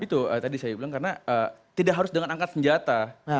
itu tadi saya bilang karena tidak harus dengan angkat senjata